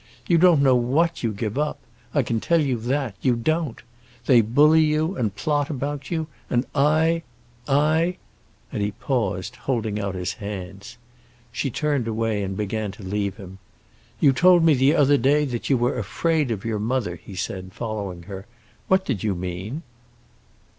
You don't know what you give up; I can tell you that—you don't. They bully you and plot about you; and I—I"—And he paused, holding out his hands. She turned away and began to leave him. "You told me the other day that you were afraid of your mother," he said, following her. "What did you mean?"